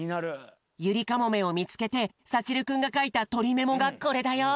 ユリカモメをみつけてさちるくんがかいたとりメモがこれだよ。